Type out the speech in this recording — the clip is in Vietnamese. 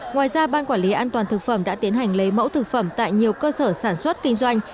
ngoài ra ban quản lý an toàn thực phẩm đã tiến hành lấy mẫu thực phẩm tại nhiều cơ sở sản xuất kinh doanh